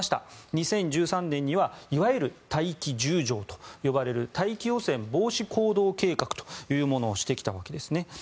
２０１３年にはいわゆる大気十条と呼ばれる大気汚染防止行動計画というものをしてきたわけです。